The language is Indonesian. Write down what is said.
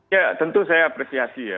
ya tentu saya apresiasi ya